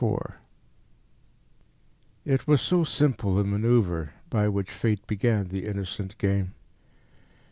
IV It was so simple a manoeuvre by which Fate began the innocent game.